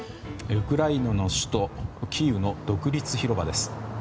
ウクライナの首都キーウの独立広場です。